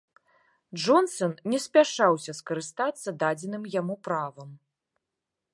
Джонсан не спяшаўся скарыстацца дадзеным яму правам.